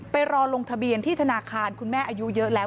รอลงทะเบียนที่ธนาคารคุณแม่อายุเยอะแล้ว